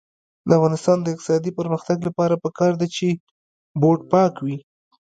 د افغانستان د اقتصادي پرمختګ لپاره پکار ده چې بوټ پاک وي.